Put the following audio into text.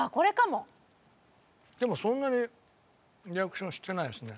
でもそんなにリアクションしてないですね。